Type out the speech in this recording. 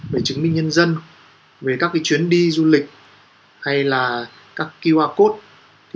về chứng minh nhân dân về các chuyến đi du lịch hay là các qr code